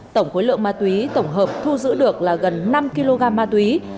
tổng khối lượng ma túy tổng hợp thu giữ được là gần năm kg ma túy